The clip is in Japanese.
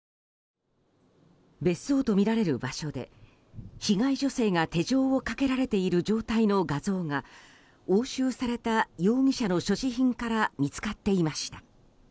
別荘とみられる場所で被害女性が手錠をかけられている状態の画像が押収された容疑者の所持品から見つかっていました。